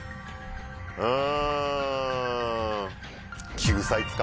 うん。